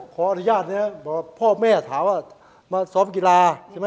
ขออนุญาตนะครับบอกพ่อแม่ถามว่ามาซ้อมกีฬาใช่ไหม